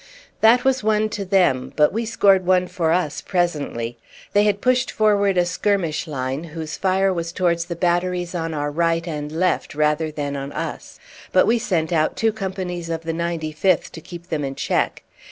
That was one to them, but we scored one for us presently. They had pushed forward a skirmish line, whose fire was towards the batteries on our right and left rather than on us; but we sent out two companies of the 95th to keep them in check.